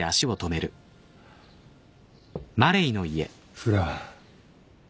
フラン。